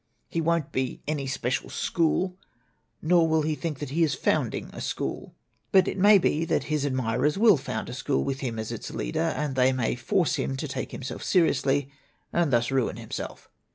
He won't be any special school, nor will he think that he is founding a school. But it may be that his ad mirers will found a school with him as its leader, and they may force him to take himself seriously, and thus ruin himself."